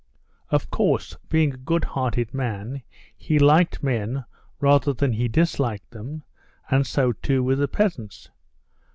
Of course, being a good hearted man, he liked men rather than he disliked them, and so too with the peasants.